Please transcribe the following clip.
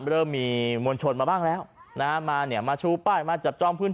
เริ่มมีมวลชนมาบ้างแล้วนะฮะมาเนี่ยมาชูป้ายมาจับจองพื้น